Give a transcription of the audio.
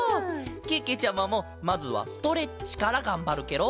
けけちゃまもまずはストレッチからがんばるケロ。